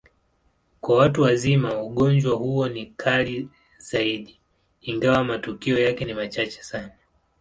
Kwa watu wazima, ugonjwa huo ni kali zaidi, ingawa matukio yake ni machache sana.